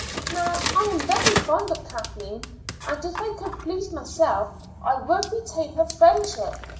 Now I am very fond of Kathleen, and if I could please myself I would retain her friendship.